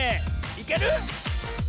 いける？